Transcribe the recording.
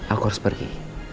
aku harus pergi